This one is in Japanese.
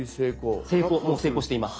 もう成功しています。